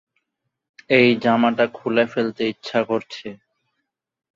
এই জামাটা খুলে ফেলতে ইচ্ছা করছে।